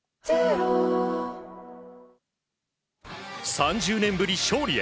３０年ぶり勝利へ。